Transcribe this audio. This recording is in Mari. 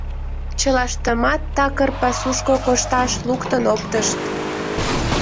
Чылаштымат такыр пасушко кошташ луктын оптышт.